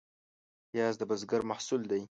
پیاز د بزګر محصول دی